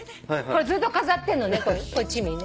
これずっと飾ってんのね。